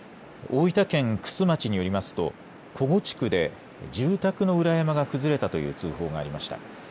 大分県玖珠町によりますと古後地区で住宅の裏山が崩れたという通報がありました。